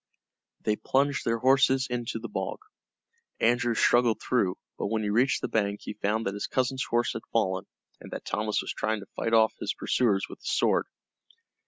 They plunged their horses into the bog. Andrew struggled through, but when he reached the bank he found that his cousin's horse had fallen, and that Thomas was trying to fight off his pursuers with his sword.